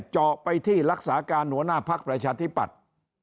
เจาะไปที่รักษาการหัวหน้าภักดิ์ประชาธิปัตย์